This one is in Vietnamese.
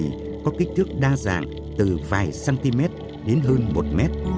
đã thống kê có khoảng hơn một loài hải quỷ có kích thước đa dạng từ vài cm đến hơn một m